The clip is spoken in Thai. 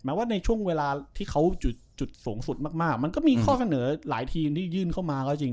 ว่าในช่วงเวลาที่เขาจุดสูงสุดมากมันก็มีข้อเสนอหลายทีมที่ยื่นเข้ามาก็จริง